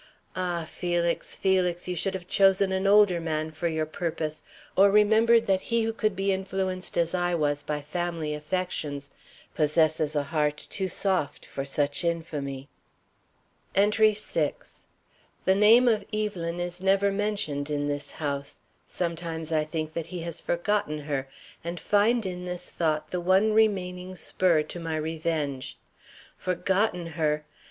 Ah, Felix, Felix, you should have chosen an older man for your purpose, or remembered that he who could be influenced as I was by family affections possesses a heart too soft for such infamy. ENTRY VI. The name of Evelyn is never mentioned in this house. Sometimes I think that he has forgotten her, and find in this thought the one remaining spur to my revenge. Forgotten her!